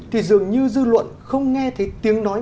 thì dường như dư luận không nghe thấy tiếng nói